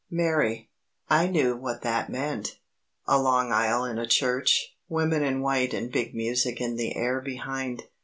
Marry! I knew what that meant. A long aisle in a church; women in white and big music in the air behind.